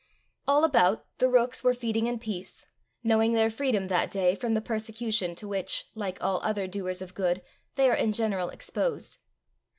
All about, the rooks were feeding in peace, knowing their freedom that day from the persecution to which, like all other doers of good, they are in general exposed.